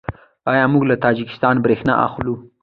آیا موږ له تاجکستان بریښنا اخلو؟